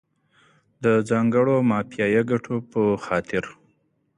د ځانګړو مافیایي ګټو په خاطر.